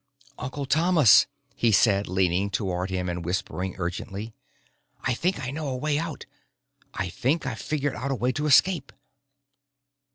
"Uncle Thomas," he said, leaning toward him and whispering urgently. "I think I know a way out. I think I've figured out a way to escape."